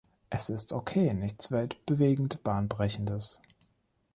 Es ist ok, nichts weltbewegend Bahnbrechendes.